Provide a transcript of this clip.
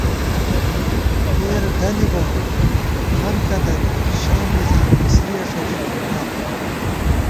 ٹېر دَلِبہ فنتہ درِی شام مِزان مسرِیَہ ݭڅی نَٹاتہ